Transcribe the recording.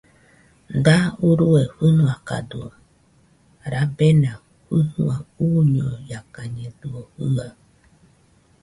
Da urue fɨnoakadɨo, rabena fɨnua uñoiakañedɨo jɨaɨ